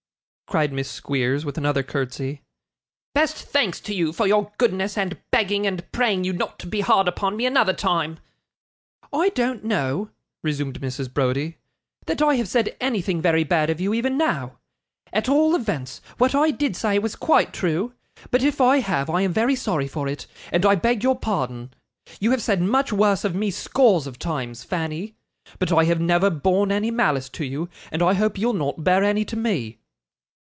cried Miss Squeers, with another curtsy. 'Best thanks to you for your goodness, and begging and praying you not to be hard upon me another time!' 'I don't know,' resumed Mrs. Browdie, 'that I have said anything very bad of you, even now. At all events, what I did say was quite true; but if I have, I am very sorry for it, and I beg your pardon. You have said much worse of me, scores of times, Fanny; but I have never borne any malice to you, and I hope you'll not bear any to me.